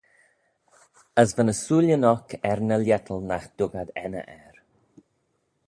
As va ny sooillyn oc er ny lhiettal nagh dug ad enney er.